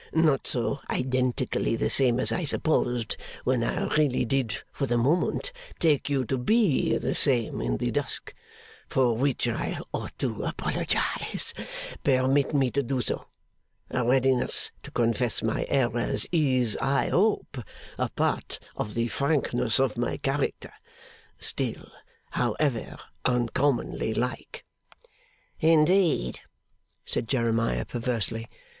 Not so identically the same as I supposed when I really did for the moment take you to be the same in the dusk for which I ought to apologise; permit me to do so; a readiness to confess my errors is, I hope, a part of the frankness of my character still, however, uncommonly like.' 'Indeed?' said Jeremiah, perversely.